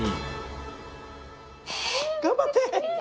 頑張って！